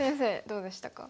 どうでしたか？